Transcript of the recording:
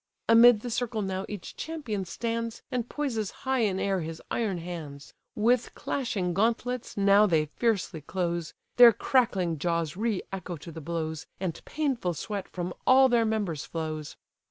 Amid the circle now each champion stands, And poises high in air his iron hands; With clashing gauntlets now they fiercely close, Their crackling jaws re echo to the blows, And painful sweat from all their members flows.